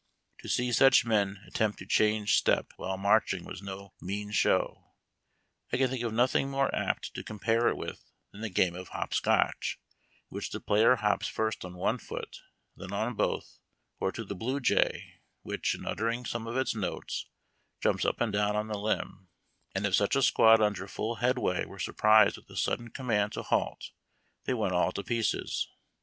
To see such men attempt to change step while marching was no mean show. I can tliiidc of nothing more apt to compare it with than the game of Hop Scotch, in which the player hops first on one foot, then on both ; or to the blue jay, which, in uttering one of its notes, jamps up and down on the limb ; and if such a squad under full headway were surprised with a sudden command to halt, they went all to pieces.